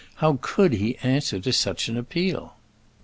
How could he answer to such an appeal?